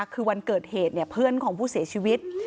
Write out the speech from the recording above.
คือวันเกิดเหตุเพื่อนของผู้เสียชีวิต